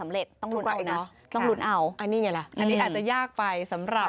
ไม่ต้องเสียตังค์ทำไมต้องขาดตัวเองตลอดเวลา